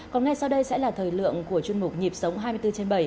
còn ngay sau đây sẽ là thời lượng của chuyên mục nhịp sống hai mươi bốn trên bảy